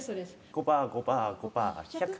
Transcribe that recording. ５パー５パー５パー１００。